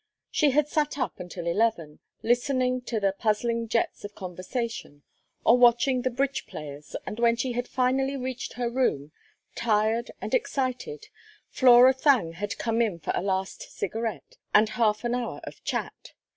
She had sat up until eleven, listening to the puzzling jets of conversation, or watching the Bridge players, and when she had finally reached her room, tired and excited, Flora Thangue had come in for a last cigarette and half an hour of chat.